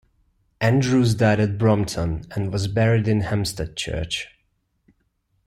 Andrews died at Brompton and was buried in Hampstead Church.